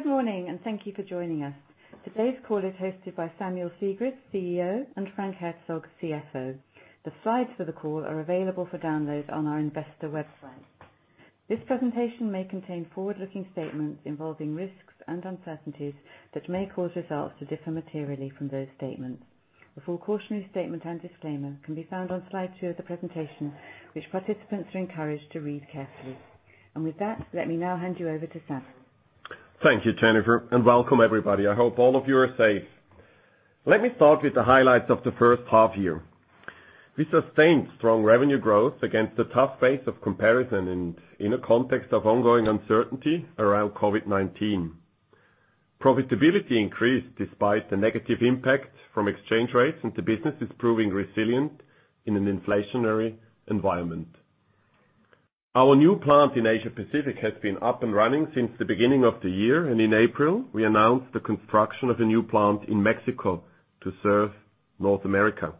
Good morning, and thank you for joining us. Today's call is hosted by Samuel Sigrist, CEO, and Frank Herzog, CFO. The slides for the call are available for download on our investor website. This presentation may contain forward-looking statements involving risks and uncertainties that may cause results to differ materially from those statements. The full cautionary statement and disclaimer can be found on slide two of the presentation, which participants are encouraged to read carefully. With that, let me now hand you over to Sam. Thank you, Jennifer, and welcome everybody. I hope all of you are safe. Let me start with the highlights of the first half-year. We sustained strong revenue growth against a tough base of comparison and in a context of ongoing uncertainty around COVID-19. Profitability increased despite the negative impact from exchange rates, and the business is proving resilient in an inflationary environment. Our new plant in Asia Pacific has been up and running since the beginning of the year, and in April, we announced the construction of a new plant in Mexico to serve North America.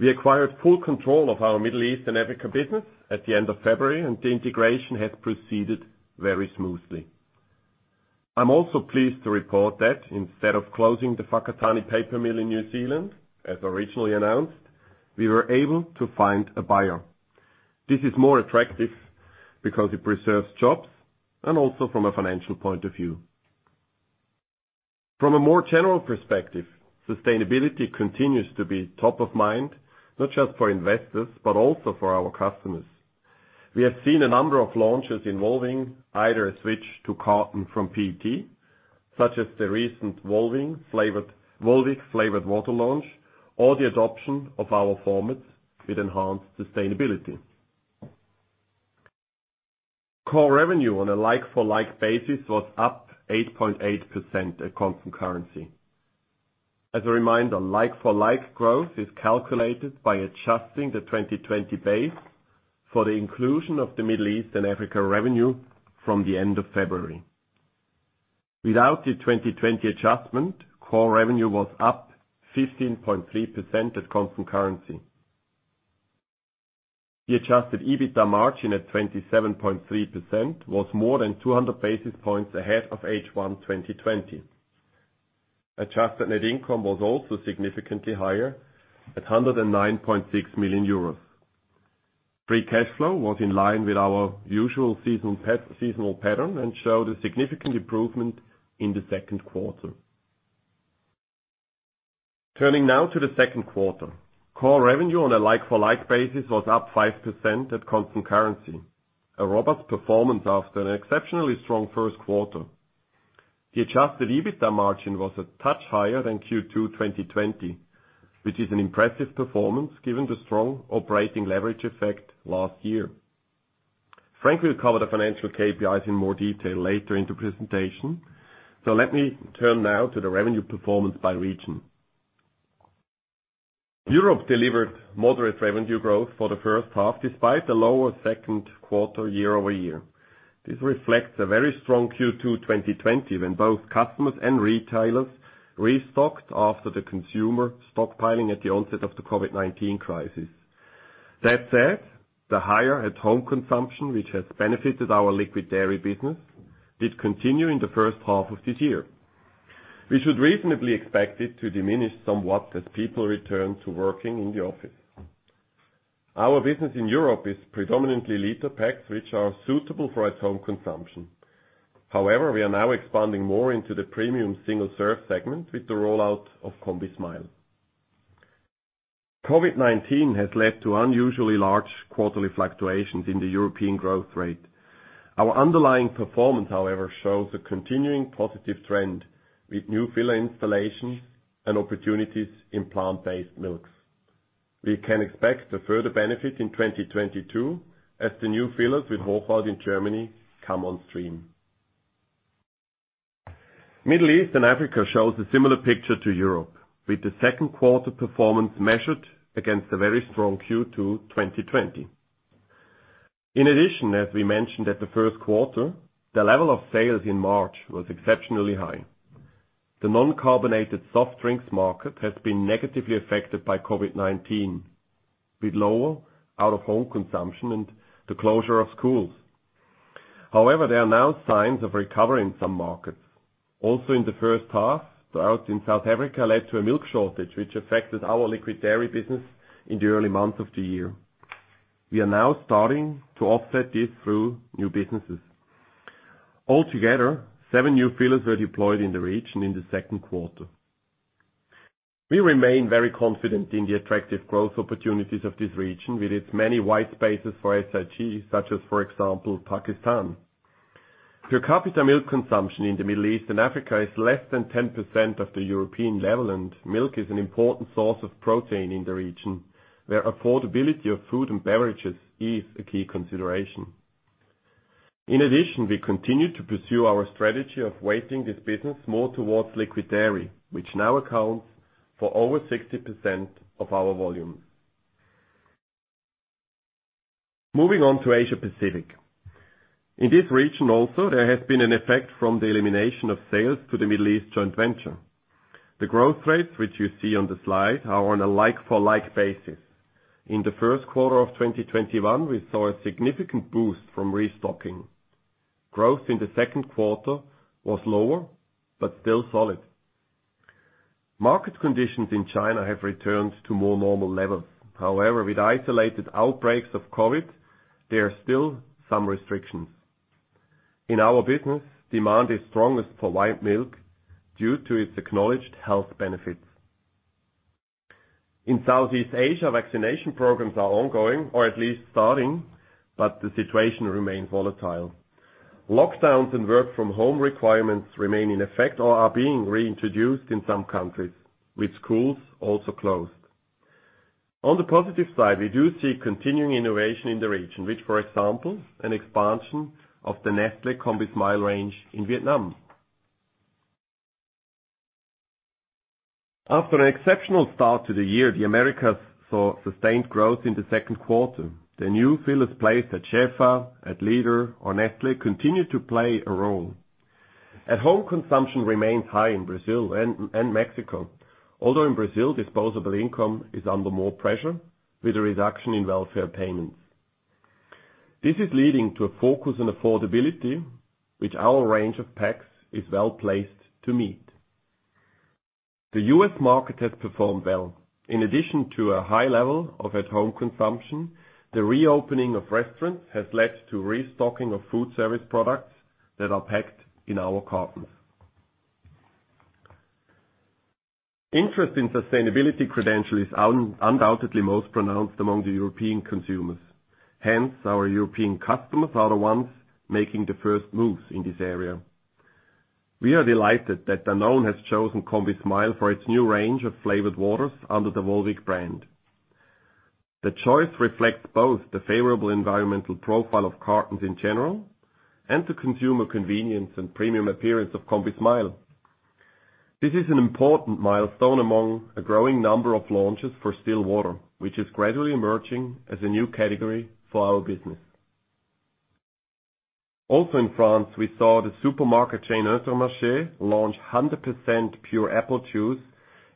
We acquired full control of our Middle East and Africa business at the end of February, and the integration has proceeded very smoothly. I'm also pleased to report that instead of closing the Whakatane paper mill in New Zealand, as originally announced, we were able to find a buyer. This is more attractive because it preserves jobs and also from a financial point of view. From a more general perspective, sustainability continues to be top of mind, not just for investors, but also for our customers. We have seen a number of launches involving either a switch to carton from PET, such as the recent Volvic flavored water launch, or the adoption of our formats with enhanced sustainability. Core revenue on a like-for-like basis was up 8.8% at constant currency. As a reminder, like-for-like growth is calculated by adjusting the 2020 base for the inclusion of the Middle East and Africa revenue from the end of February. Without the 2020 adjustment, core revenue was up 15.3% at constant currency. The adjusted EBITDA margin at 27.3% was more than 200 basis points ahead of H1 2020. Adjusted net income was also significantly higher at 109.6 million euros. Free cash flow was in line with our usual seasonal pattern and showed a significant improvement in the second quarter. Turning now to the second quarter. Core revenue on a like-for-like basis was up 5% at constant currency, a robust performance after an exceptionally strong first quarter. The adjusted EBITDA margin was a touch higher than Q2 2020, which is an impressive performance given the strong operating leverage effect last year. Frank Herzog will cover the financial KPIs in more detail later in the presentation. Let me turn now to the revenue performance by region. Europe delivered moderate revenue growth for the first half, despite a lower second quarter year-over-year. This reflects a very strong Q2 2020 when both customers and retailers restocked after the consumer stockpiling at the onset of the COVID-19 crisis. That said, the higher at-home consumption, which has benefited our liquid dairy business, did continue in the first half of this year. We should reasonably expect it to diminish somewhat as people return to working in the office. Our business in Europe is predominantly liter packs, which are suitable for at-home consumption. However, we are now expanding more into the premium single-serve segment with the rollout of combismile. COVID-19 has led to unusually large quarterly fluctuations in the European growth rate. Our underlying performance, however, shows a continuing positive trend with new filler installations and opportunities in plant-based milks. We can expect a further benefit in 2022 as the new fillers with Hochwald in Germany come on stream. Middle East and Africa shows a similar picture to Europe, with the second quarter performance measured against a very strong Q2 2020. In addition, as we mentioned at the first quarter, the level of sales in March was exceptionally high. The non-carbonated soft drinks market has been negatively affected by COVID-19, with lower out-of-home consumption and the closure of schools. There are now signs of recovery in some markets. In the first half, droughts in South Africa led to a milk shortage, which affected our liquid dairy business in the early months of the year. We are now starting to offset this through new businesses. Altogether, seven new fillers were deployed in the region in the second quarter. We remain very confident in the attractive growth opportunities of this region with its many wide spaces for SIG, such as, for example, Pakistan. Per capita milk consumption in the Middle East and Africa is less than 10% of the European level. Milk is an important source of protein in the region, where affordability of food and beverages is a key consideration. In addition, we continue to pursue our strategy of weighting this business more towards liquid dairy, which now accounts for over 60% of our volume. Moving on to Asia Pacific. In this region also, there has been an effect from the elimination of sales to the Middle East joint venture. The growth rates, which you see on the slide, are on a like-for-like basis. In the first quarter of 2021, we saw a significant boost from restocking. Growth in the second quarter was lower, still solid. Market conditions in China have returned to more normal levels. With isolated outbreaks of COVID-19, there are still some restrictions. In our business, demand is strongest for white milk due to its acknowledged health benefits. In Southeast Asia, vaccination programs are ongoing, or at least starting, the situation remains volatile. Lockdowns and work from home requirements remain in effect or are being reintroduced in some countries, with schools also closed. On the positive side, we do see continuing innovation in the region, with, for example, an expansion of the Nestlé combismile range in Vietnam. After an exceptional start to the year, the Americas saw sustained growth in the second quarter. The new sales place at Shefa, at Lider, or Nestlé continue to play a role. At-home consumption remains high in Brazil and Mexico, although in Brazil, disposable income is under more pressure with a reduction in welfare payments. This is leading to a focus on affordability, which our range of packs is well-placed to meet. The U.S. market has performed well. In addition to a high level of at-home consumption, the reopening of restaurants has led to restocking of food service products that are packed in our cartons. Interest in sustainability credentials is undoubtedly most pronounced among the European consumers. Hence, our European customers are the ones making the first moves in this area. We are delighted that Danone has chosen combismile for its new range of flavored waters under the Volvic brand. The choice reflects both the favorable environmental profile of cartons in general and the consumer convenience and premium appearance of combismile. This is an important milestone among a growing number of launches for Still Water, which is gradually emerging as a new category for our business. Also in France, we saw the supermarket chain Intermarché launch 100% pure apple juice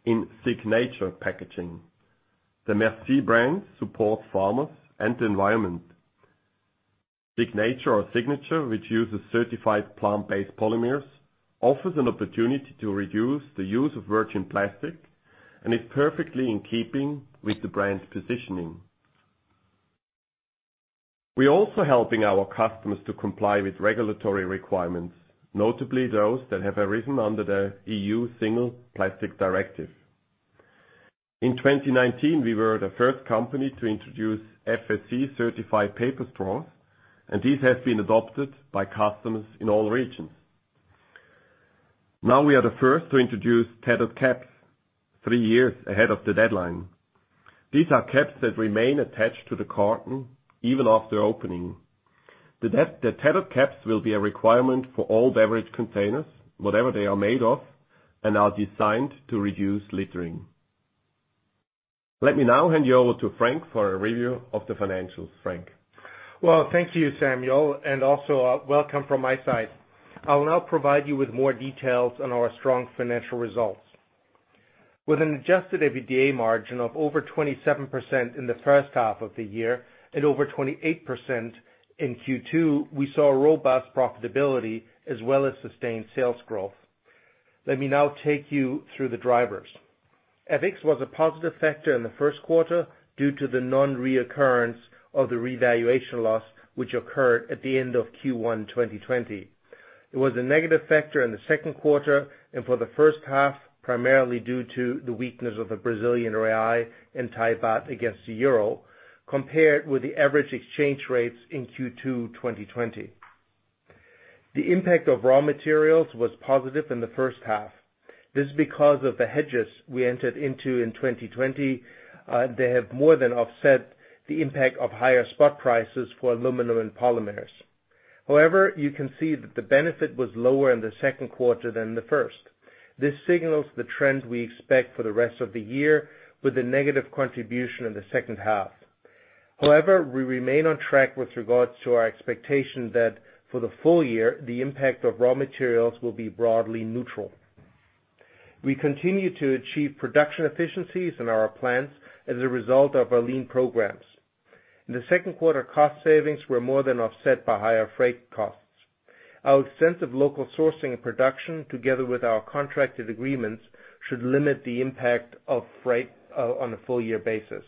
in SIGNATURE packaging. The Merci brand supports farmers and the environment. SIGNATURE, which uses certified plant-based polymers, offers an opportunity to reduce the use of virgin plastic and is perfectly in keeping with the brand's positioning. We're also helping our customers to comply with regulatory requirements, notably those that have arisen under the EU Single-Use Plastics Directive. In 2019, we were the first company to introduce FSC-certified paper straws, and these have been adopted by customers in all regions. Now we are the first to introduce tethered caps three years ahead of the deadline. These are caps that remain attached to the carton even after opening. The tethered caps will be a requirement for all beverage containers, whatever they are made of and are designed to reduce littering. Let me now hand you over to Frank for a review of the financials. Frank? Well, thank you, Samuel, and also welcome from my side. I will now provide you with more details on our strong financial results. With an adjusted EBITDA margin of over 27% in the first half of the year and over 28% in Q2, we saw robust profitability as well as sustained sales growth. Let me now take you through the drivers. FX was a positive factor in the first quarter due to the non-reoccurrence of the revaluation loss, which occurred at the end of Q1 2020. It was a negative factor in the second quarter and for the first half, primarily due to the weakness of the Brazilian real and Thai baht against the euro, compared with the average exchange rates in Q2 2020. The impact of raw materials was positive in the first half. This is because of the hedges we entered into in 2020. They have more than offset the impact of higher spot prices for aluminum and polymers. However, you can see that the benefit was lower in the second quarter than the first. This signals the trend we expect for the rest of the year, with a negative contribution in the second half. However, we remain on track with regards to our expectation that for the full year, the impact of raw materials will be broadly neutral. We continue to achieve production efficiencies in our plants as a result of our lean programs. In the second quarter, cost savings were more than offset by higher freight costs. Our extensive local sourcing and production, together with our contracted agreements, should limit the impact of freight on a full year basis.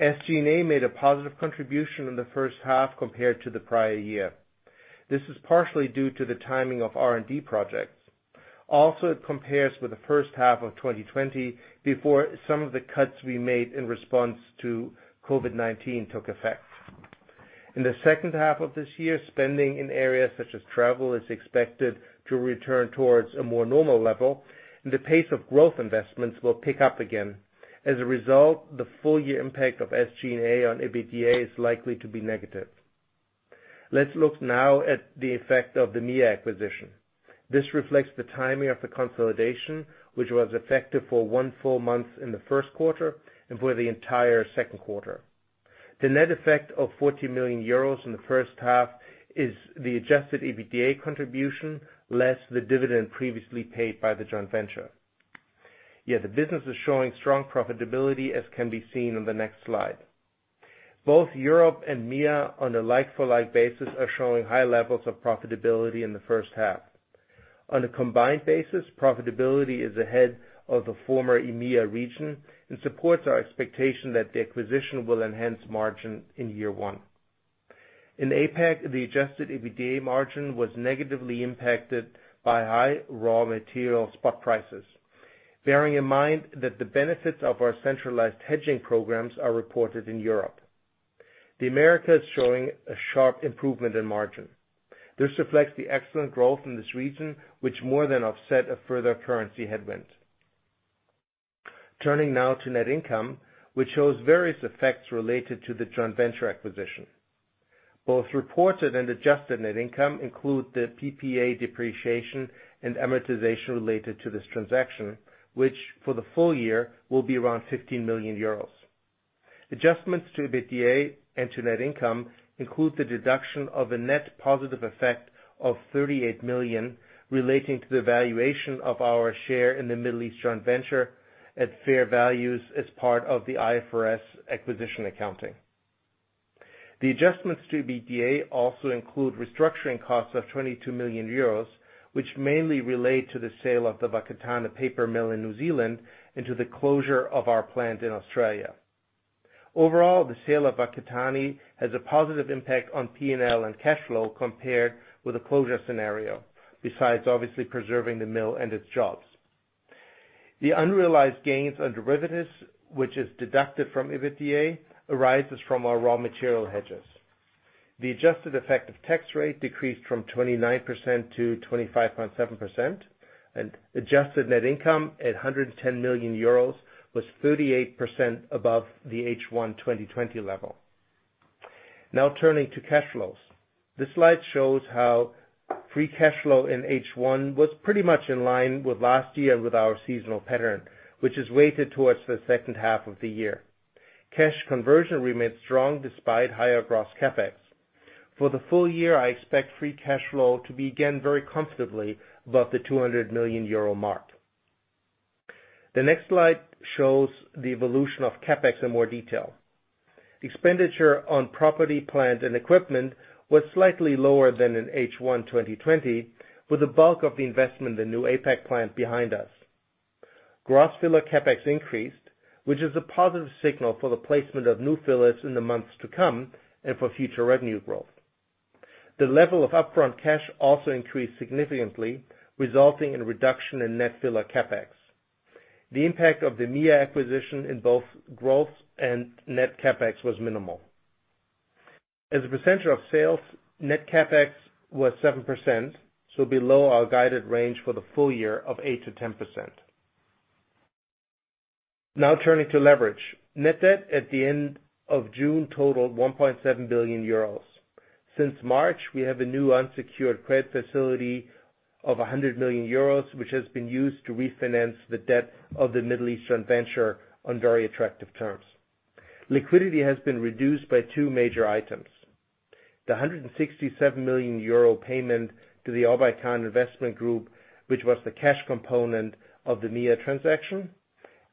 SG&A made a positive contribution in the first half compared to the prior year. This is partially due to the timing of R&D projects. It compares with the first half of 2020 before some of the cuts we made in response to COVID-19 took effect. In the second half of this year, spending in areas such as travel is expected to return towards a more normal level, and the pace of growth investments will pick up again. As a result, the full year impact of SG&A on EBITDA is likely to be negative. Let's look now at the effect of the MEA acquisition. This reflects the timing of the consolidation, which was effective for one full month in the first quarter and for the entire second quarter. The net effect of 40 million euros in the first half is the adjusted EBITDA contribution, less the dividend previously paid by the joint venture. Yet the business is showing strong profitability, as can be seen on the next slide. Both Europe and MEA on a like-for-like basis, are showing high levels of profitability in the first half. On a combined basis, profitability is ahead of the former EMEA region and supports our expectation that the acquisition will enhance margin in year one. In APAC, the adjusted EBITDA margin was negatively impacted by high raw material spot prices. Bearing in mind that the benefits of our centralized hedging programs are reported in Europe. The Americas showing a sharp improvement in margin. This reflects the excellent growth in this region, which more than offset a further currency headwind. Turning now to net income, which shows various effects related to the joint venture acquisition. Both reported and adjusted net income include the PPA depreciation and amortization related to this transaction, which, for the full year, will be around 15 million euros. Adjustments to EBITDA and to net income include the deduction of a net positive effect of 38 million, relating to the valuation of our share in the Middle East joint venture at fair values as part of the IFRS acquisition accounting. The adjustments to EBITDA also include restructuring costs of 22 million euros, which mainly relate to the sale of the Whakatane paper mill in New Zealand into the closure of our plant in Australia. Overall, the sale of Whakatane has a positive impact on P&L and cash flow compared with the closure scenario, besides obviously preserving the mill and its jobs. The unrealized gains on derivatives, which is deducted from EBITDA, arises from our raw material hedges. The adjusted effective tax rate decreased from 29% to 25.7%, and adjusted net income at 110 million euros was 38% above the H1 2020 level. Now turning to cash flows. This slide shows how free cash flow in H1 was pretty much in line with last year with our seasonal pattern, which is weighted towards the second half of the year. Cash conversion remains strong despite higher gross CapEx. For the full year, I expect free cash flow to be again very comfortably above the 200 million euro mark. The next slide shows the evolution of CapEx in more detail. Expenditure on property, plant, and equipment was slightly lower than in H1 2020, with the bulk of the investment in new APAC plant behind us. Gross filler CapEx increased, which is a positive signal for the placement of new fillers in the months to come and for future revenue growth. The level of upfront cash also increased significantly, resulting in a reduction in net filler CapEx. The impact of the MEA acquisition in both growth and net CapEx was minimal. As a percentage of sales, net CapEx was 7%, so below our guided range for the full year of 8%-10%. Turning to leverage. Net debt at the end of June totaled 1.7 billion euros. Since March, we have a new unsecured credit facility of 100 million euros, which has been used to refinance the debt of the Middle East joint venture on very attractive terms. Liquidity has been reduced by two major items. The 167 million euro payment to the Obeikan Investment Group, which was the cash component of the MEA transaction,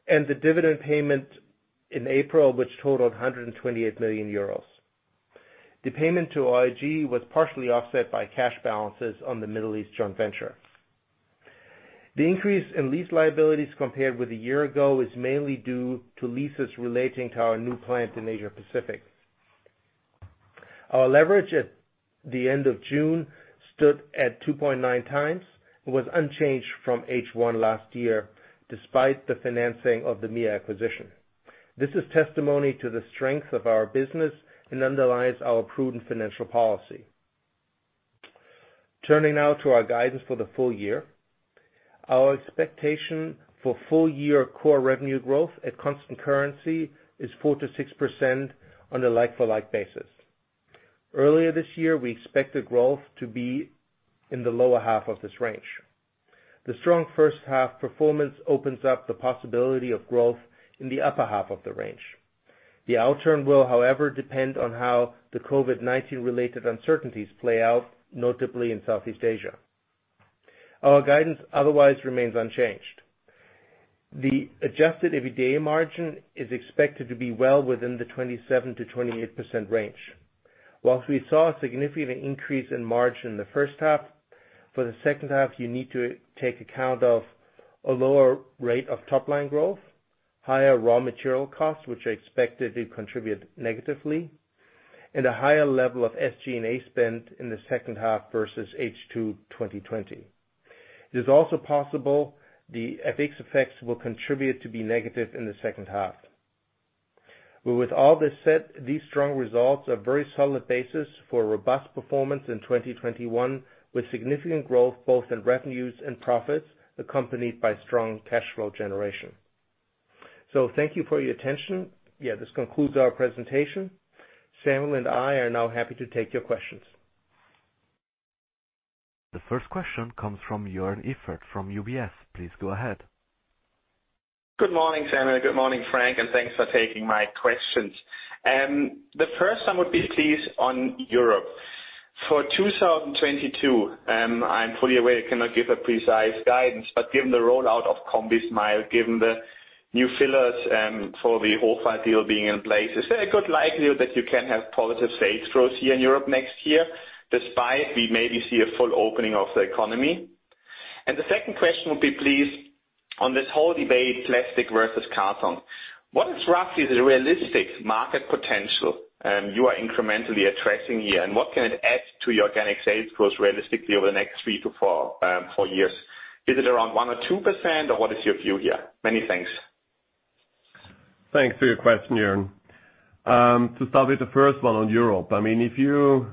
and the dividend payment in April, which totaled 128 million euros. The payment to OIG was partially offset by cash balances on the Middle East joint venture. The increase in lease liabilities compared with a year ago is mainly due to leases relating to our new plant in Asia-Pacific. Our leverage at the end of June stood at 2.9 times, was unchanged from H1 last year, despite the financing of the MEA acquisition. This is testimony to the strength of our business and underlies our prudent financial policy. Turning now to our guidance for the full year. Our expectation for full-year core revenue growth at constant currency is 4%-6% on a like-for-like basis. Earlier this year, we expected growth to be in the lower half of this range. The strong first half performance opens up the possibility of growth in the upper half of the range. The outturn will, however, depend on how the COVID-19 related uncertainties play out, notably in Southeast Asia. Our guidance otherwise remains unchanged. The adjusted EBITDA margin is expected to be well within the 27%-28% range. Whilst we saw a significant increase in margin in the first half, for the second half, you need to take account of a lower rate of top-line growth, higher raw material costs, which are expected to contribute negatively, and a higher level of SG&A spend in the second half versus H2 2020. It is also possible the FX effects will contribute to be negative in the second half. With all this said, these strong results are a very solid basis for robust performance in 2021, with significant growth both in revenues and profits, accompanied by strong cash flow generation. Thank you for your attention. This concludes our presentation. Samuel and I are now happy to take your questions. The first question comes from Joern Iffert from UBS. Please go ahead. Good morning, Samuel. Good morning, Frank. Thanks for taking my questions. The 1 would be, please, on Europe. For 2022, I'm fully aware you cannot give a precise guidance. Given the rollout of combismile, given the new fillers for the whole file deal being in place, is there a good likelihood that you can have positive sales growth here in Europe next year, despite we maybe see a full opening of the economy? The second question would be, please, on this whole debate, plastic versus carton. What is roughly the realistic market potential you are incrementally addressing here? What can it add to your organic sales growth realistically over the next three to four years? Is it around 1% or 2%? What is your view here? Many thanks. Thanks for your question, Joern. To start with the first one on Europe, if you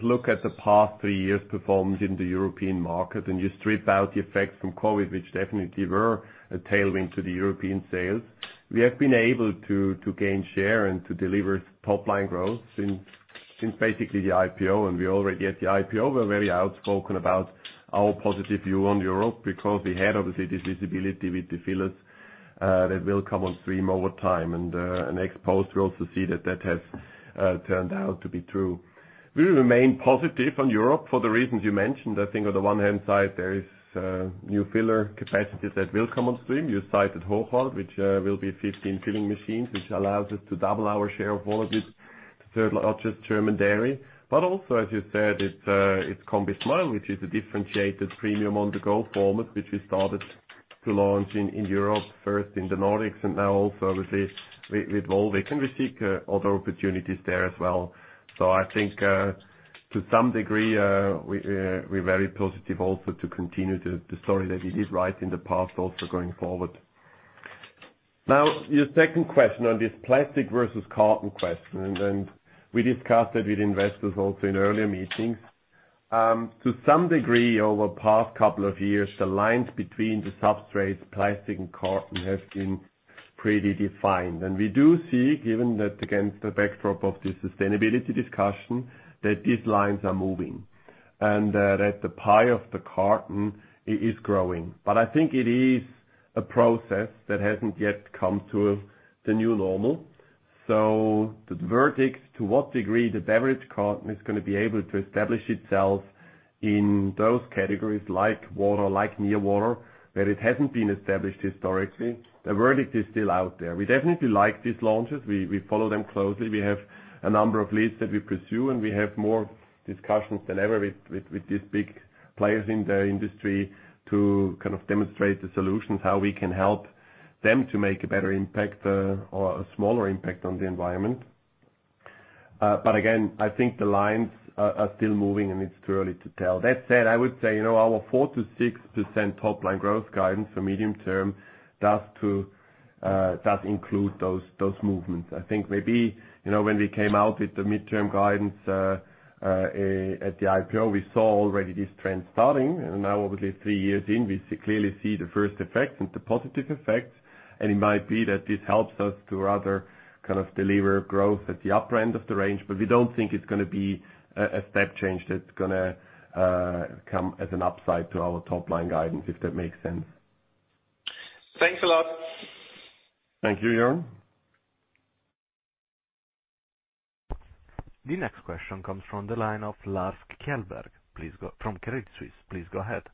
look at the past three years' performance in the European market and you strip out the effects from COVID, which definitely were a tailwind to the European sales, we have been able to gain share and to deliver top-line growth since basically the IPO. We already, at the IPO, were very outspoken about our positive view on Europe because we had, obviously, this visibility with the fillers that will come on stream over time. Ex-post, we also see that that has turned out to be true. We remain positive on Europe for the reasons you mentioned. I think on the one hand side, there is new filler capacity that will come on stream. You cited Hochwald, which will be 15 filling machines, which allows us to double our share of all of this largest German dairy. Also, as you said, it's combismile, which is a differentiated premium on-the-go format, which we started to launch in Europe, first in the Nordics and now also with Volvic. We seek other opportunities there as well. I think to some degree, we're very positive also to continue the story that we did right in the past also going forward. Now, your second question on this plastic versus carton question, We discussed it with investors also in earlier meetings. To some degree over the past couple of years, the lines between the substrates, plastic and carton, have been pretty defined. We do see, given that, again, the backdrop of the sustainability discussion, that these lines are moving, and that the pie of the carton is growing. I think it is a process that hasn't yet come to the new normal. The verdict, to what degree the beverage carton is going to be able to establish itself in those categories like water, like near water, where it hasn't been established historically, the verdict is still out there. We definitely like these launches. We follow them closely. We have a number of leads that we pursue, and we have more discussions than ever with these big players in the industry to demonstrate the solutions, how we can help them to make a better impact or a smaller impact on the environment. Again, I think the lines are still moving, and it's too early to tell. That said, I would say our 4% to 6% top-line growth guidance for medium term does include those movements. I think maybe when we came out with the midterm guidance at the IPO, we saw already this trend starting. Now obviously three years in, we clearly see the first effects and the positive effects. It might be that this helps us to rather deliver growth at the upper end of the range. We don't think it's going to be a step change that's going to come as an upside to our top-line guidance, if that makes sense. Thanks a lot. Thank you, Joern. The next question comes from the line of Lars Kjellberg from Credit Suisse. Please go ahead.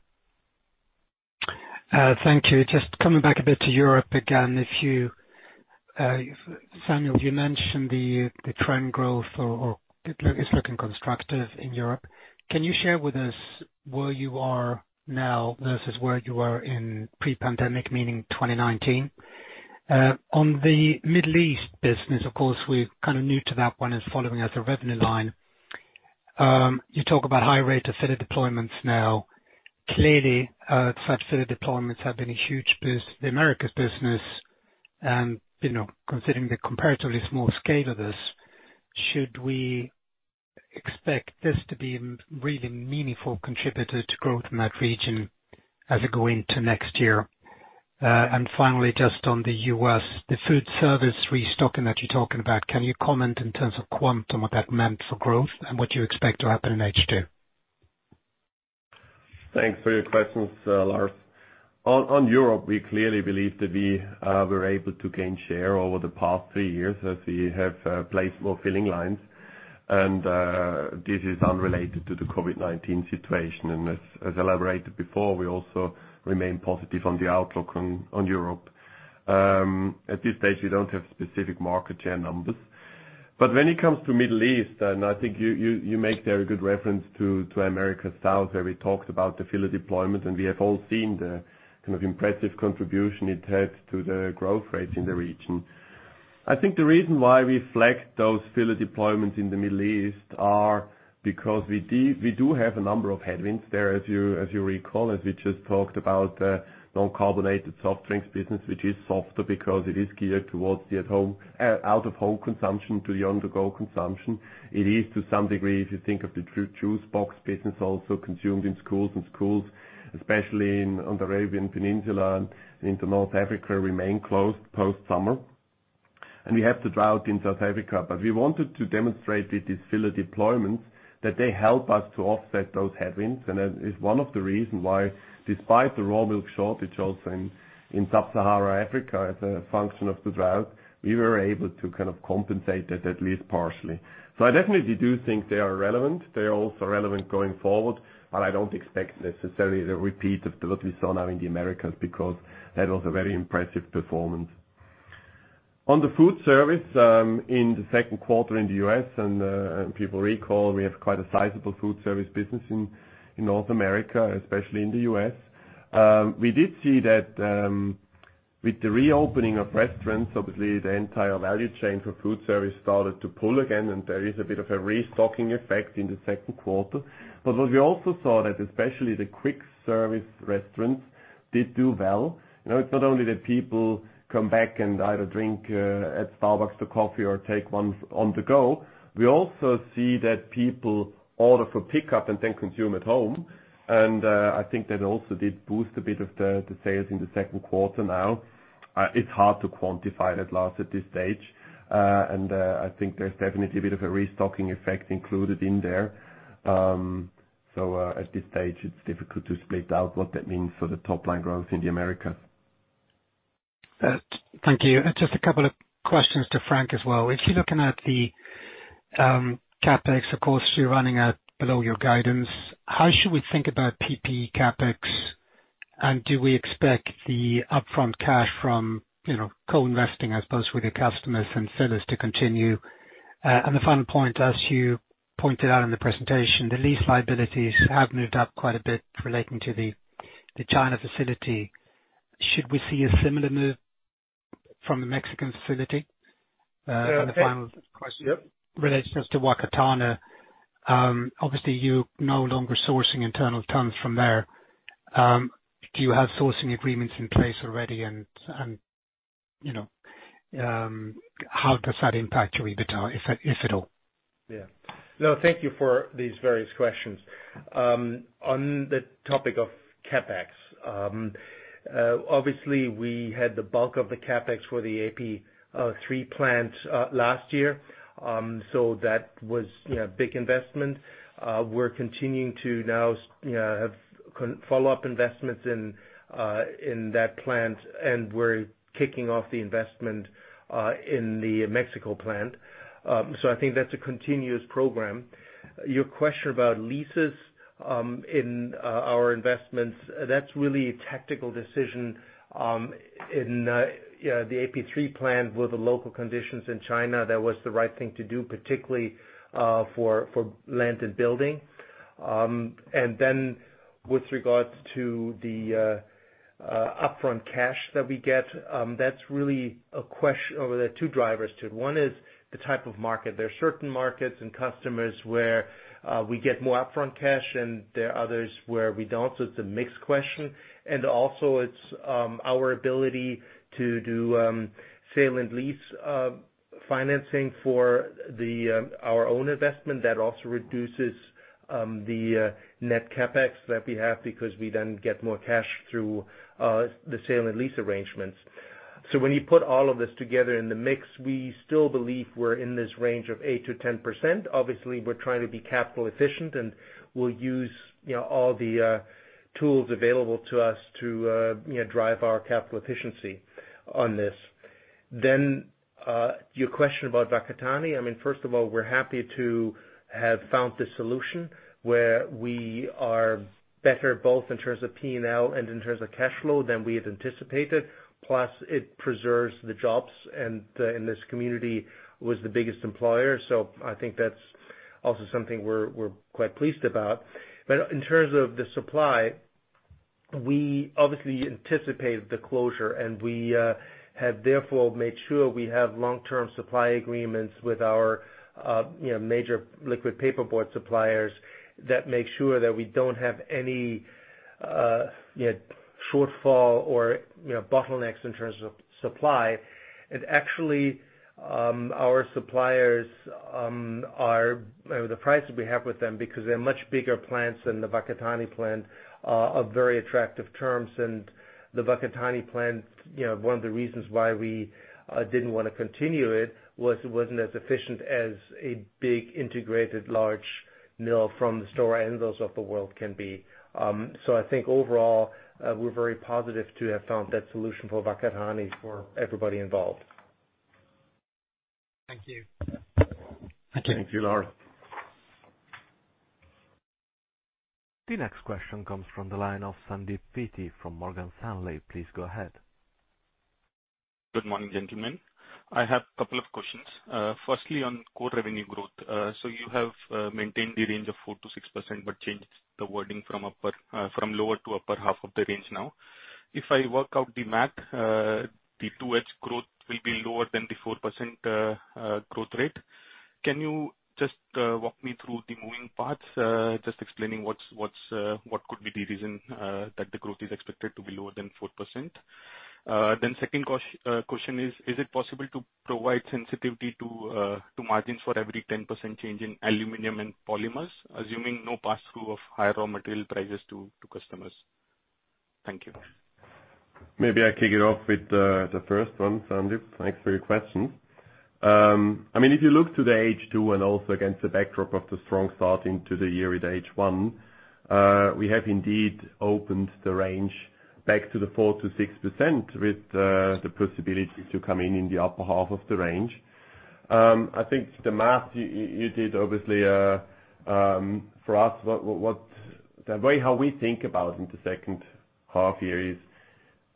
Thank you. Just coming back a bit to Europe again. Samuel, you mentioned the trend growth is looking constructive in Europe. Can you share with us where you are now versus where you were in pre-pandemic, meaning 2019? On the Middle East business, of course, we're new to that one as following as a revenue line. You talk about high rate of filler deployments now. Clearly, such filler deployments have been a huge boost to the Americas business. Considering the comparatively small scale of this, should we expect this to be a really meaningful contributor to growth in that region as we go into next year? Finally, just on the U.S., the food service restocking that you're talking about, can you comment in terms of quantum what that meant for growth and what you expect to happen in H2? Thanks for your questions, Lars. On Europe, we clearly believe that we were able to gain share over the past three years as we have placed more filling lines, and this is unrelated to the COVID-19 situation. As elaborated before, we also remain positive on the outlook on Europe. At this stage, we don't have specific market share numbers. When it comes to Middle East, and I think you make there a good reference to Americas South, where we talked about the filler deployment, and we have all seen the impressive contribution it had to the growth rates in the region. I think the reason why we flagged those filler deployments in the Middle East are because we do have a number of headwinds there, as you recall, as we just talked about non-carbonated soft drinks business, which is softer because it is geared towards the out-of-home consumption to the on-the-go consumption. It is to some degree, if you think of the true juice box business, also consumed in schools, and schools, especially on the Arabian Peninsula and into North Africa, remain closed post-summer. We have the drought in South Africa, but we wanted to demonstrate with these filler deployments that they help us to offset those headwinds, and that is one of the reason why despite the raw milk shortage also in Sub-Sahara Africa as a function of the drought, we were able to compensate that at least partially. I definitely do think they are relevant. They are also relevant going forward, I don't expect necessarily the repeat of what we saw now in the Americas, because that was a very impressive performance. On the food service, in the second quarter in the U.S., people recall we have quite a sizable food service business in North America, especially in the U.S. We did see that with the reopening of restaurants, obviously the entire value chain for food service started to pull again, there is a bit of a restocking effect in the second quarter. What we also saw that especially the quick service restaurants did do well. It's not only that people come back and either drink at Starbucks, the coffee, or take one on the go. We also see that people order for pickup and then consume at home. I think that also did boost a bit of the sales in the second quarter now. It is hard to quantify that last at this stage. I think there is definitely a bit of a restocking effect included in there. At this stage, it is difficult to split out what that means for the top-line growth in the America. Thank you. Just a couple of questions to Frank as well. If you're looking at the CapEx, of course, you're running at below your guidance. How should we think about PP&E CapEx, and do we expect the upfront cash from coinvesting, I suppose, with your customers and sellers to continue? The final point, as you pointed out in the presentation, the lease liabilities have moved up quite a bit relating to the China facility. Should we see a similar move from the Mexican facility? The final question relates just to Whakatane. Obviously, you're no longer sourcing internal tons from there. Do you have sourcing agreements in place already and how does that impact your EBITDA, if at all? Yeah. No, thank you for these various questions. On the topic of CapEx, obviously we had the bulk of the CapEx for the AP3 plant last year, so that was a big investment. We're continuing to now have follow-up investments in that plant, and we're kicking off the investment in the Mexico plant. I think that's a continuous program. Your question about leases, in our investments, that's really a tactical decision. In the AP3 plant with the local conditions in China, that was the right thing to do, particularly, for land and building. Then with regards to the upfront cash that we get, there are two drivers to it. One is the type of market. There are certain markets and customers where we get more upfront cash and there are others where we don't. It's a mixed question. Also it's our ability to do sale and lease financing for our own investment. That also reduces the net CapEx that we have because we then get more cash through the sale and lease arrangements. When you put all of this together in the mix, we still believe we're in this range of 8%-10%. Obviously, we're trying to be capital efficient and we'll use all the tools available to us to drive our capital efficiency on this. Your question about Whakatane. First of all, we're happy to have found this solution where we are better both in terms of P&L and in terms of cash flow than we had anticipated. Plus it preserves the jobs and in this community was the biggest employer. I think that's also something we're quite pleased about. In terms of the supply, we obviously anticipated the closure and we have therefore made sure we have long-term supply agreements with our major liquid paperboard suppliers that make sure that we don't have any shortfall or bottlenecks in terms of supply. Actually, our suppliers, the prices we have with them, because they're much bigger plants than the Whakatane plant, are very attractive terms. The Whakatane plant, one of the reasons why we didn't want to continue it was it wasn't as efficient as a big integrated large mill from the Stora Enso of the world can be. I think overall, we're very positive to have found that solution for Whakatane for everybody involved. Thank you. Thank you, Lars Kjellberg. The next question comes from the line of Sandeep Deshpande from Morgan Stanley. Please go ahead. Good morning, gentlemen. I have a couple of questions. On core revenue growth. You have maintained the range of 4%-6%, but changed the wording from lower to upper half of the range now. If I work out the math, the 2H growth will be lower than the 4% growth rate. Can you just walk me through the moving parts, just explaining what could be the reason that the growth is expected to be lower than 4%? Second question is: Is it possible to provide sensitivity to margins for every 10% change in aluminum and polymers, assuming no pass-through of higher raw material prices to customers? Thank you. Maybe I kick it off with the first one, Sandeep. Thanks for your question. If you look to the H2 and also against the backdrop of the strong start into the year with H1, we have indeed opened the range back to the 4% to 6% with the possibility to come in in the upper half of the range. I think the math you did, obviously, for us, the way how we think about it in the second half year is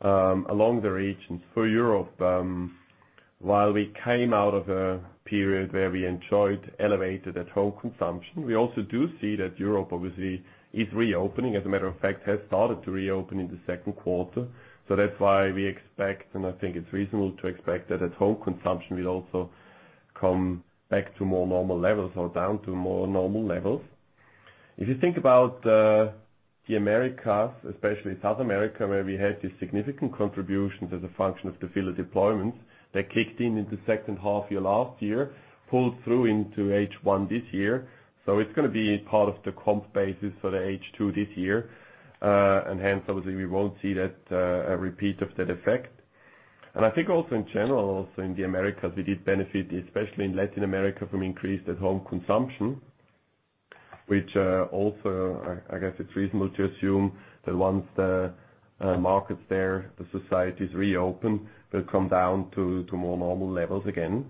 along the regions. For Europe, while we came out of a period where we enjoyed elevated at-home consumption, we also do see that Europe obviously is reopening. As a matter of fact, has started to reopen in the second quarter. That's why we expect, and I think it's reasonable to expect, that at-home consumption will also come back to more normal levels or down to more normal levels. If you think about the Americas, especially South America, where we had these significant contributions as a function of the filler deployments that kicked in in the second half year last year, pulled through into H1 this year. It's going to be part of the comp basis for the H2 this year. Hence, obviously, we won't see a repeat of that effect. I think also in general, also in the Americas, we did benefit, especially in Latin America, from increased at-home consumption, which also, I guess it's reasonable to assume that once the markets there, the societies reopen, will come down to more normal levels again.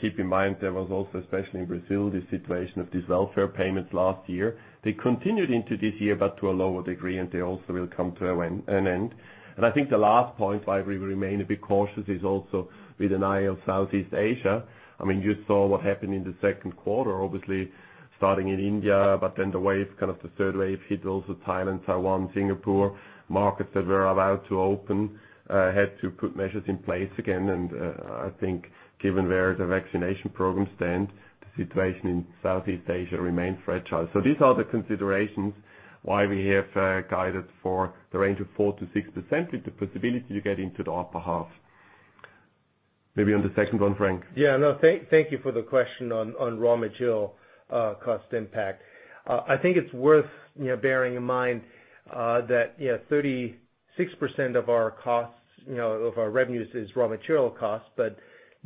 Keep in mind, there was also, especially in Brazil, this situation of these welfare payments last year. They continued into this year, but to a lower degree, and they also will come to an end. I think the last point why we remain a bit cautious is also with an eye of Southeast Asia. You saw what happened in the second quarter, obviously starting in India, but then the wave, kind of the third wave, hit also Thailand, Taiwan, Singapore. Markets that were about to open had to put measures in place again. I think given where the vaccination program stands, the situation in Southeast Asia remains fragile. These are the considerations why we have guided for the range of 4%-6% with the possibility to get into the upper half. Maybe on the second one, Frank. Yeah. No, thank you for the question on raw material cost impact. I think it's worth bearing in mind that 36% of our revenues is raw material cost, but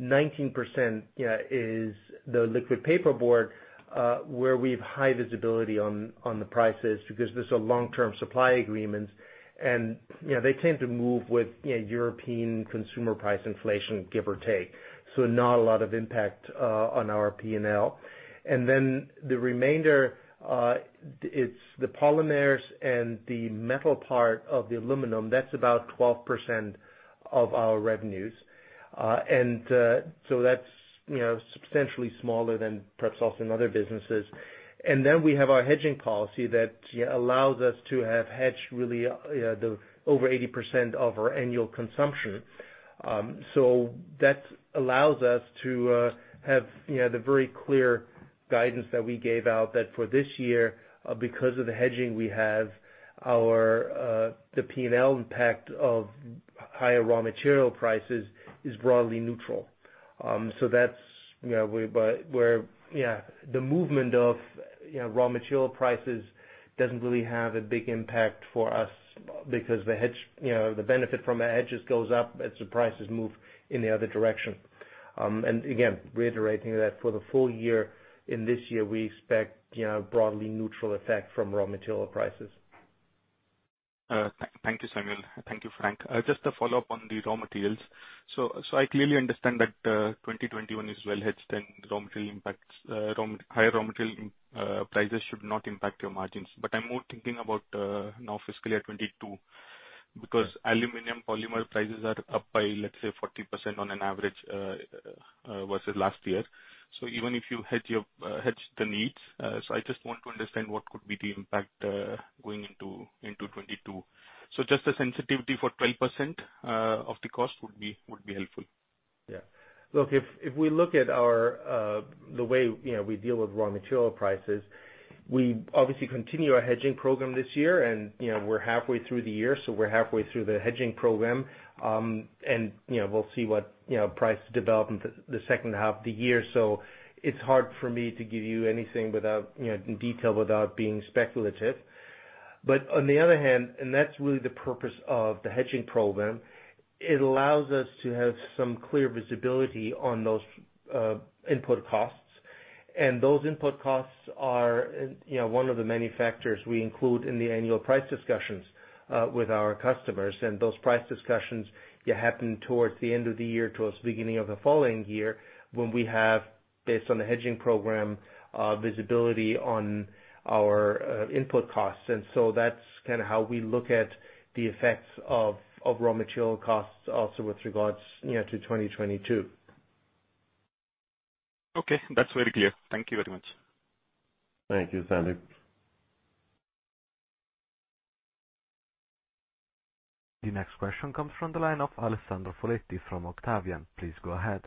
19% is the liquid paperboard, where we have high visibility on the prices because those are long-term supply agreements. They tend to move with European consumer price inflation, give or take. Not a lot of impact on our P&L. The remainder, it's the polymers and the metal part of the aluminum. That's about 12% of our revenues. That's substantially smaller than perhaps also in other businesses. We have our hedging policy that allows us to have hedged really over 80% of our annual consumption. That allows us to have the very clear guidance that we gave out that for this year, because of the hedging we have, the P&L impact of higher raw material prices is broadly neutral. That's where the movement of raw material prices doesn't really have a big impact for us because the benefit from our hedges goes up as the prices move in the other direction. Again, reiterating that for the full year in this year, we expect broadly neutral effect from raw material prices. Thank you, Samuel. Thank you, Frank. Just a follow-up on the raw materials. I clearly understand that 2021 is well hedged and higher raw material prices should not impact your margins. I'm more thinking about now fiscal year 2022, because aluminum polymer prices are up by, let's say, 40% on an average versus last year. Even if you hedge the needs. I just want to understand what could be the impact going into 2022. Just a sensitivity for 12% of the cost would be helpful. Look, if we look at the way we deal with raw material prices, we obviously continue our hedging program this year, and we're halfway through the year, so we're halfway through the hedging program. We'll see what price development the second half of the year. It's hard for me to give you anything in detail without being speculative. On the other hand, and that's really the purpose of the hedging program, it allows us to have some clear visibility on those input costs. Those input costs are one of the many factors we include in the annual price discussions with our customers. Those price discussions happen towards the end of the year, towards the beginning of the following year, when we have, based on the hedging program, visibility on our input costs. That's how we look at the effects of raw material costs also with regards to 2022. Okay. That's very clear. Thank you very much. Thank you, Sandeep. The next question comes from the line of Alessandro Foletti from Octavian. Please go ahead.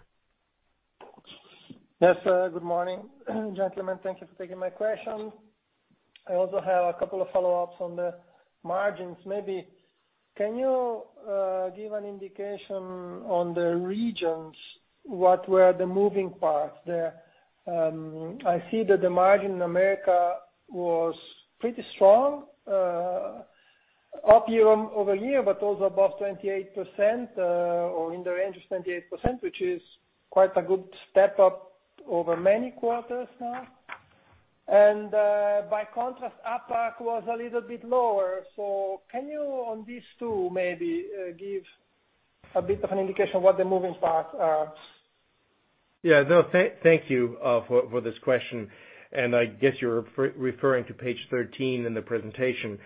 Yes, good morning, gentlemen. Thank you for taking my question. I also have a couple of follow-ups on the margins. Can you give an indication on the regions? What were the moving parts there? I see that the margin in America was pretty strong up over a year, but also above 28%, or in the range of 28%, which is quite a good step up over many quarters now. By contrast, APAC was a little bit lower. Can you, on these two, maybe give a bit of an indication of what the moving parts are? Thank you for this question. I guess you're referring to page 13 in the presentation.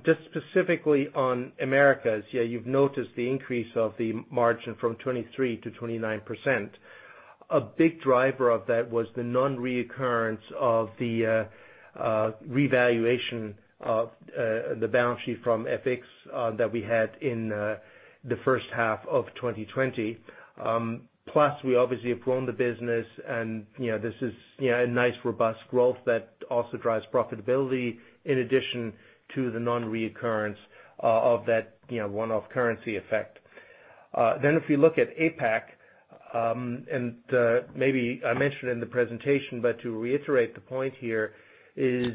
Specifically on Americas, you've noticed the increase of the margin from 23% to 29%. A big driver of that was the non-reoccurrence of the revaluation of the balance sheet from FX that we had in the first half of 2020. We obviously have grown the business, and this is a nice, robust growth that also drives profitability in addition to the non-reoccurrence of that one-off currency effect. If you look at APAC, and maybe I mentioned in the presentation, but to reiterate the point here is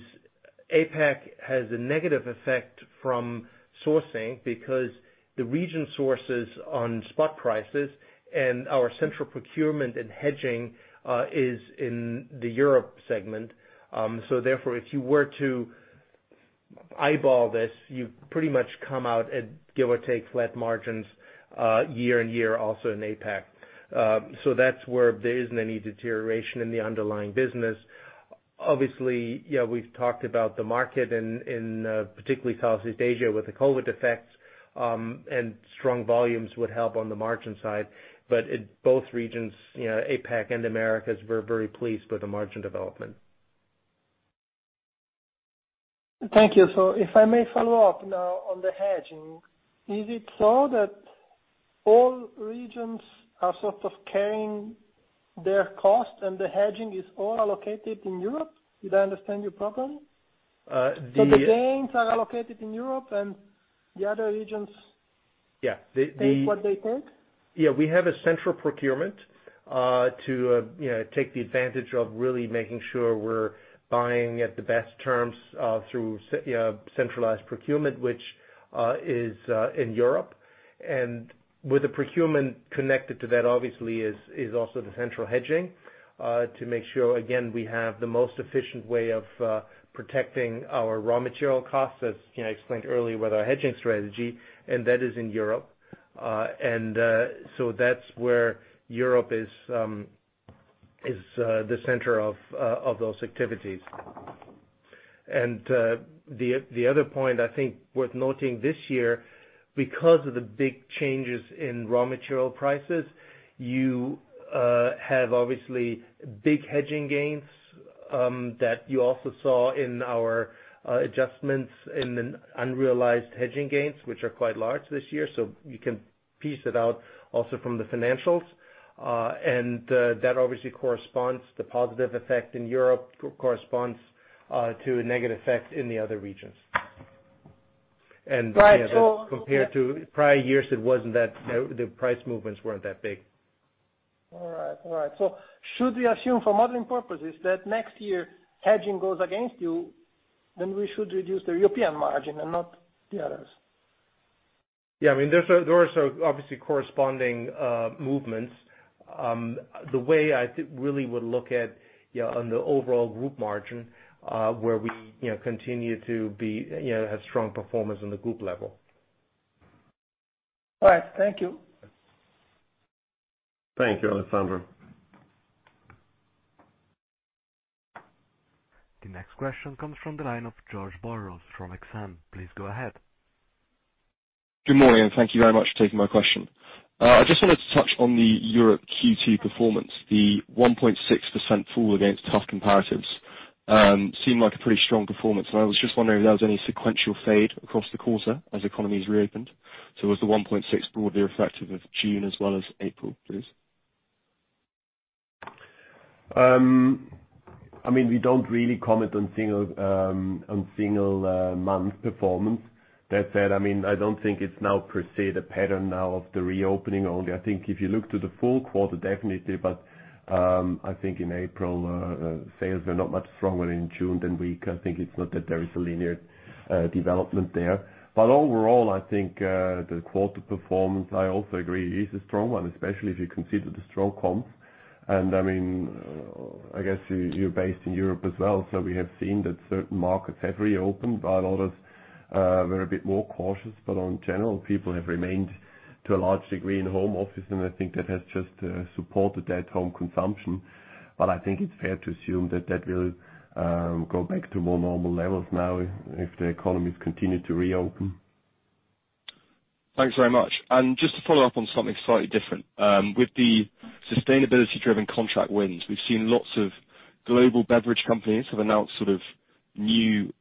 APAC has a negative effect from sourcing because the region sources on spot prices and our central procurement and hedging is in the Europe segment. Therefore, if you were to eyeball this, you pretty much come out at give or take flat margins year-on-year also in APAC. That's where there isn't any deterioration in the underlying business. Obviously, we've talked about the market in particularly Southeast Asia with the COVID-19 effects, strong volumes would help on the margin side. In both regions, APAC and Americas, we're very pleased with the margin development. Thank you. If I may follow up now on the hedging. Is it so that all regions are sort of carrying their cost and the hedging is all allocated in Europe? Did I understand you properly? The- The gains are allocated in Europe and the other regions. Yeah. take what they take? We have a central procurement to take the advantage of really making sure we're buying at the best terms through centralized procurement, which is in Europe. With the procurement connected to that, obviously, is also the central hedging to make sure, again, we have the most efficient way of protecting our raw material costs, as I explained earlier, with our hedging strategy, and that is in Europe. That's where Europe is the center of those activities. The other point I think worth noting this year, because of the big changes in raw material prices, you have obviously big hedging gains, that you also saw in our adjustments in the unrealized hedging gains, which are quite large this year. So you can piece it out also from the financials. That obviously corresponds, the positive effect in Europe corresponds to a negative effect in the other regions. Right. Compared to prior years, the price movements weren't that big. All right. Should we assume for modeling purposes that next year hedging goes against you, then we should reduce the European margin and not the others? I mean, those are obviously corresponding movements. The way I really would look at on the overall group margin, where we continue to have strong performance on the group level. All right. Thank you. Thank you, Alessandro. The next question comes from the line of George Burroughs from Exane. Please go ahead. Good morning. Thank you very much for taking my question. I just wanted to touch on the Europe Q2 performance. The 1.6% fall against tough comparatives seemed like a pretty strong performance. I was just wondering if there was any sequential fade across the quarter as economies reopened. Was the 1.6 broadly reflective of June as well as April, please? I mean, we don't really comment on single month performance. That said, I don't think it's now per se the pattern now of the reopening only. I think if you look to the full quarter, definitely, but I think in April, sales were not much stronger in June than I think it's not that there is a linear development there. Overall, I think, the quarter performance, I also agree, is a strong one, especially if you consider the strong comps. I guess you're based in Europe as well, so we have seen that certain markets have reopened, while others were a bit more cautious. In general, people have remained to a large degree in home office, and I think that has just supported that home consumption. I think it's fair to assume that that will go back to more normal levels now if the economies continue to reopen. Thanks very much. Just to follow up on something slightly different. With the sustainability-driven contract wins, we've seen lots of global beverage companies have announced sort of new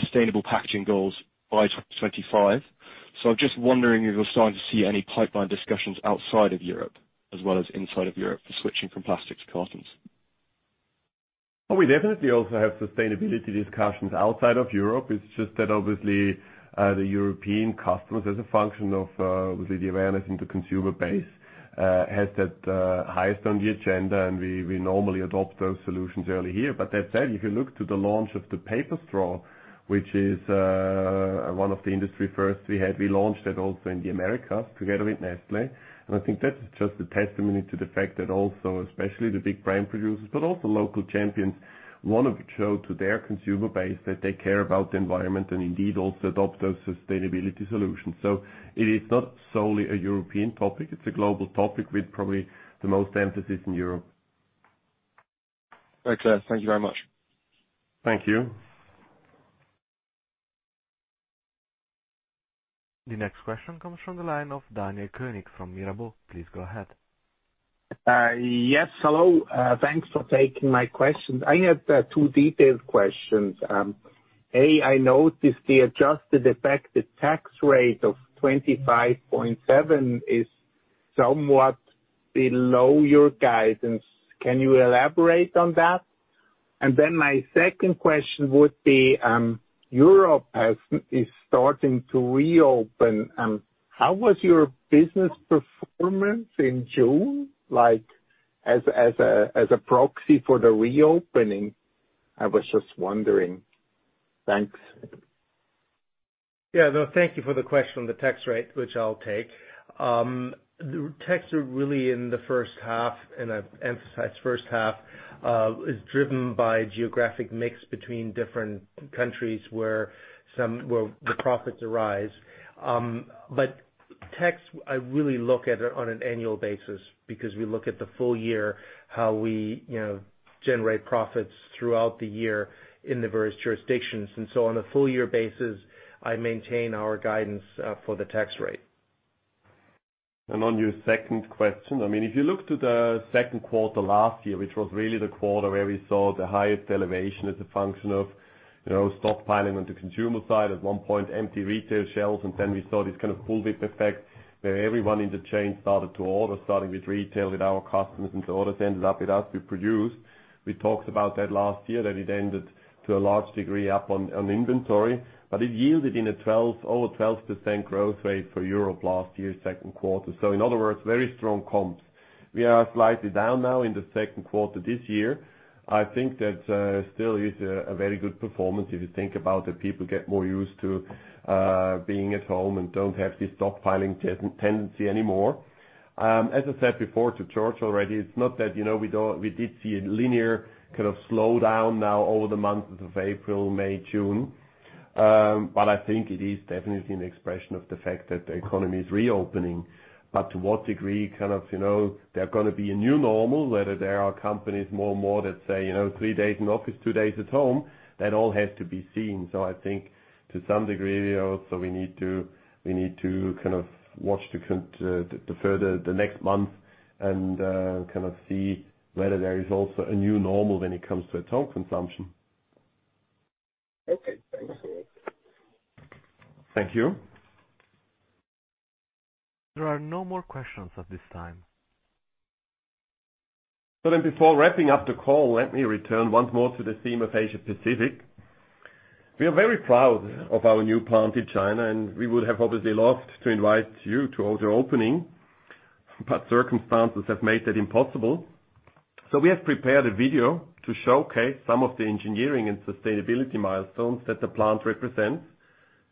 sustainable packaging goals by 2025. I'm just wondering if you're starting to see any pipeline discussions outside of Europe as well as inside of Europe for switching from plastics to cartons? Oh, we definitely also have sustainability discussions outside of Europe. It's just that obviously, the European customers, as a function of obviously the awareness in the consumer base, has that highest on the agenda, and we normally adopt those solutions early here. That said, if you look to the launch of the paper straw, which is one of the industry firsts we had, we launched that also in the Americas together with Nestlé. I think that's just a testimony to the fact that also, especially the big brand producers, but also local champions, want to show to their consumer base that they care about the environment and indeed also adopt those sustainability solutions. It is not solely a European topic, it's a global topic with probably the most emphasis in Europe. Very clear. Thank you very much. Thank you. The next question comes from the line of Daniel Koenig from Mirabaud. Please go ahead. Yes, hello. Thanks for taking my questions. I have two detailed questions. A, I noticed the adjusted effective tax rate of 25.7% is somewhat below your guidance. Can you elaborate on that? My second question would be, Europe is starting to reopen. How was your business performance in June as a proxy for the reopening? I was just wondering. Thanks. Yeah. No, thank you for the question on the tax rate, which I'll take. The tax are really in the first half, and I emphasize first half, is driven by geographic mix between different countries where the profits arise. Tax, I really look at it on an annual basis because we look at the full year, how we generate profits throughout the year in the various jurisdictions. On a full year basis, I maintain our guidance for the tax rate. On your second question, if you look to the second quarter last year, which was really the quarter where we saw the highest elevation as a function of stockpiling on the consumer side, at one point empty retail shelves, then we saw this kind of pull-back effect where everyone in the chain started to order, starting with retail, with our customers, so orders ended up with us. We produced. We talked about that last year, that it ended to a large degree up on inventory. It yielded in over 12% growth rate for Europe last year, second quarter. In other words, very strong comps. We are slightly down now in the second quarter this year. I think that still is a very good performance if you think about that people get more used to being at home and don't have the stockpiling tendency anymore. As I said before to George already, it is not that we did see a linear kind of slowdown now over the months of April, May, June. I think it is definitely an expression of the fact that the economy is reopening. To what degree? There are going to be a new normal, whether there are companies more and more that say, "three days in office, two days at home." That all has to be seen. I think to some degree also, we need to watch the next month and see whether there is also a new normal when it comes to at-home consumption. Okay. Thanks a lot. Thank you. There are no more questions at this time. Before wrapping up the call, let me return once more to the theme of Asia Pacific. We are very proud of our new plant in China, and we would have obviously loved to invite you to our opening, but circumstances have made that impossible. We have prepared a video to showcase some of the engineering and sustainability milestones that the plant represents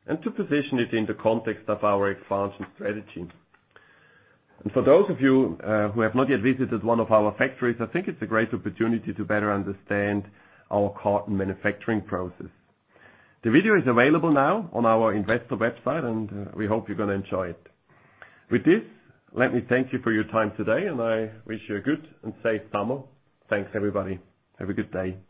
and to position it in the context of our expansion strategy. For those of you who have not yet visited one of our factories, I think it's a great opportunity to better understand our carton manufacturing process. The video is available now on our investor website, and we hope you're going to enjoy it. With this, let me thank you for your time today, and I wish you a good and safe summer. Thanks, everybody. Have a good day.